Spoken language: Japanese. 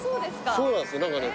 そうなんですよ何かね